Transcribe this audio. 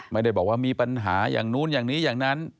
ไม่ได้บอกว่ามีปัญหาอย่างนู้นอย่างนี้อย่างนั้น